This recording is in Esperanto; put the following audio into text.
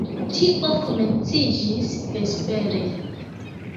Tio komenciĝis vespere.